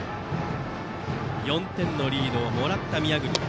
４点のリードをもらった宮國。